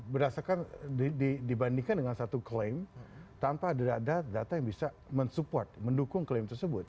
berdasarkan dibandingkan dengan satu klaim tanpa ada data yang bisa mensupport mendukung klaim tersebut